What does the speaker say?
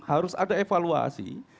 harus ada evaluasi